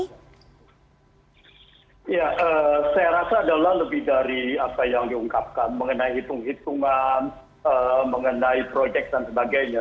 ya saya rasa adalah lebih dari apa yang diungkapkan mengenai hitung hitungan mengenai proyek dan sebagainya